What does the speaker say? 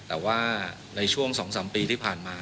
แต่ว่าในช่วง๒๓ปีที่ผ่านมา